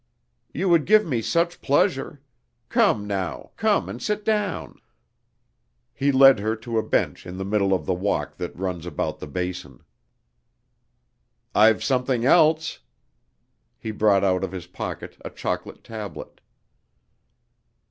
"You would give me such pleasure!... Come now, come and sit down...." He led her to a bench in the middle of the walk that runs about the basin. "I've something else...." He brought out of his pocket a chocolate tablet.